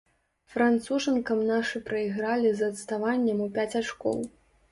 Францужанкам нашы прайгралі з адставаннем у пяць ачкоў.